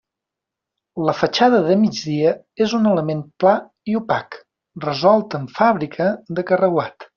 La fatxada de migdia és un element pla i opac, resolt amb fàbrica de carreuat.